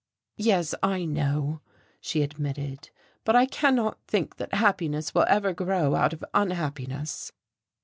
"Yes, I know," she admitted. "But I cannot think that happiness will ever grow out of unhappiness."